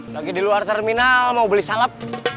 lagi di luar terminal mau beli salap